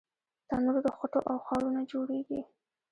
تنور د خټو او خاورو نه جوړېږي